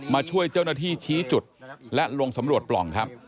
มาช่วยเจ้าหน้าที่ชี้จุดและลงสำรวจปล่องครับ